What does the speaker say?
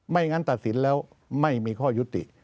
งั้นตัดสินแล้วไม่มีข้อยุติ